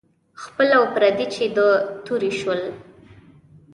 خپل او پردي چې د تورې شول.